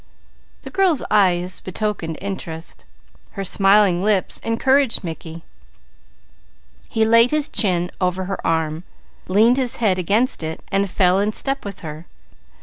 The girl's eyes betokened interest; her smiling lips encouraged Mickey. He laid his chin over her arm, leaned his head against it and fell in step with her.